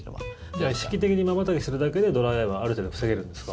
じゃあ意識的にまばたきするだけでドライアイはある程度、防げるんですか？